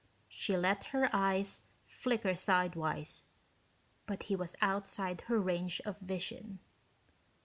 She let her eyes flicker sidewise, but he was outside her range of vision.